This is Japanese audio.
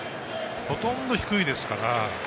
ほとんど低いですから。